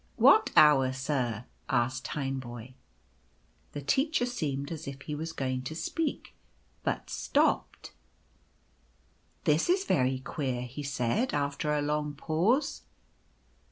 " What hour, sir ?" asked Tineboy. The Teacher seemed as if he was going to speak, but stopped ." This is very queer," he said, after a long pause.